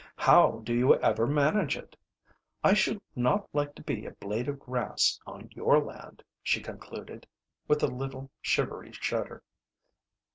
"How do you ever manage it? I should not like to be a blade of grass on your land," she concluded, with a little shivery shudder.